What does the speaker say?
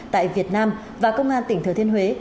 tại việt nam và công an tỉnh thừa thiên huế